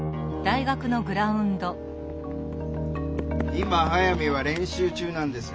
今速水は練習中なんですが。